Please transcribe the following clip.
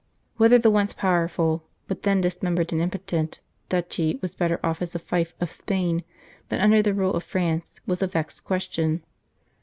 Whether the once powerful, but then dis membered and impotent, duchy was better off as a fief of Spain than under the rule of France was a vexed question.